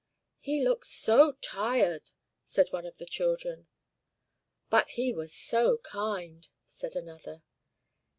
"He looks so tired!" said one of the children. "But he was so kind!" said another.